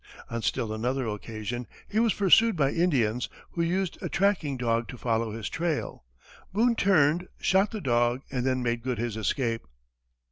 On still another occasion, he was pursued by Indians, who used a tracking dog to follow his trail. Boone turned, shot the dog, and then made good his escape.